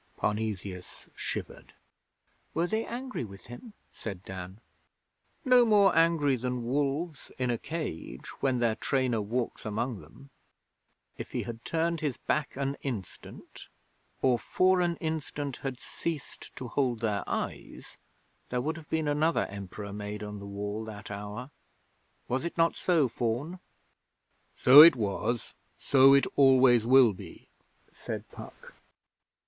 Parnesius shivered. 'Were they angry with him?' said Dan. 'No more angry than wolves in a cage when their trainer walks among them. If he had turned his back an instant, or for an instant had ceased to hold their eyes, there would have been another Emperor made on the Wall that hour. Was it not so, Faun?' 'So it was. So it always will be,' said Puck.